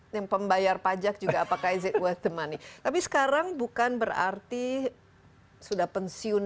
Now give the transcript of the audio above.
yang pembayar pajak juga apakah is it worth the money tapi sekarang bukan berarti sudah pensiun